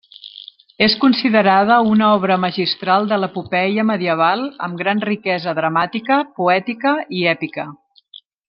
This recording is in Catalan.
És considerada una obra magistral de l'epopeia medieval amb gran riquesa dramàtica, poètica i èpica.